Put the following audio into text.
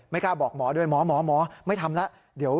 กล้าบอกหมอด้วยหมอหมอไม่ทำแล้ว